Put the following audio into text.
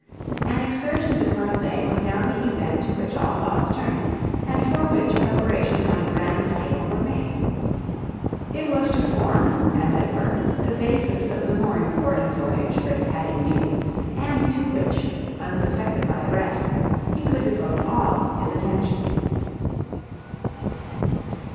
An excursion to Pearl Bay was now the event to which all thoughts turned, and for which preparations on a grand scale were made. It was to form, as it were the basis of the more important voyage Fritz had in view, and to which, unsuspected by the rest, he could devote all his attention.